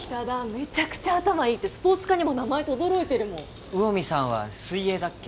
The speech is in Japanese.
めちゃくちゃ頭いいってスポーツ科にも名前とどろいてるもん魚見さんは水泳だっけ？